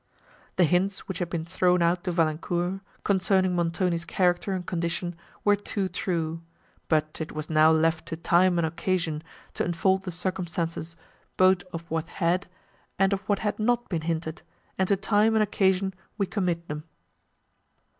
The hints which had been thrown out to Valancourt, concerning Montoni's character and condition, were too true; but it was now left to time and occasion, to unfold the circumstances, both of what had, and of what had not been hinted, and to time and occasion we commit them.